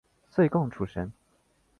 岁贡出身。